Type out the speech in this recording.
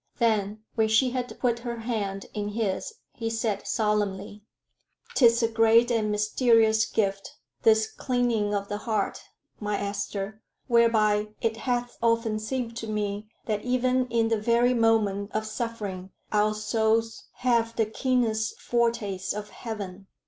Then, when she had put her hand in his, he said, solemnly "'Tis a great and mysterious gift, this clinging of the heart, my Esther, whereby it hath often seemed to me that even in the very moment of suffering our souls have the keenest foretaste of heaven.